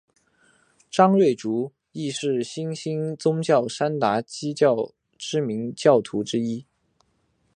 张瑞竹亦是新兴宗教山达基教知名教徒之一。